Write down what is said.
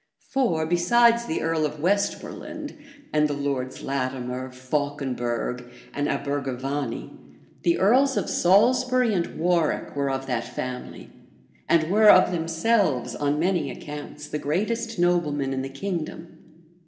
For, besides the earl of Westmoreland, and the lords Latimer, Fauconberg, and Abergavenny, the earls of Salisbury and Warwick were of that family, and were of themselves, on many accounts, the greatest noblemen in the kingdom.